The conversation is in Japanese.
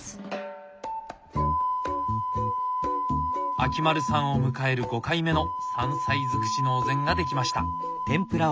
秋丸さんを迎える５回目の山菜尽くしのお膳が出来ました！